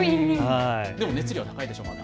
でも熱量は高いでしょう。